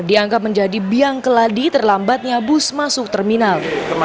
dianggap menjadi biang keladi terlambatnya bus masuk terminal